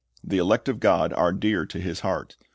The elect of God are dear to His heart.